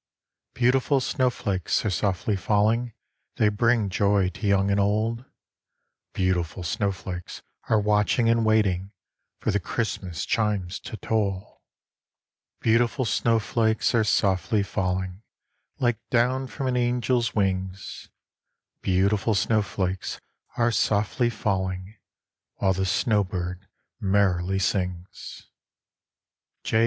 Beautiful snowflakes are softly falling, They bring joy to young and old; Beautiful snowflakes are watching and waiting For the Christmas chimes to toll. Beautiful snowflakes are softly falling Like down from an angel's wings, Beautiful snowflakes are softly falling While the snow bird merrily sings. —J.